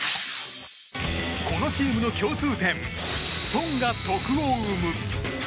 このチームの共通点「ソン」が得を生む。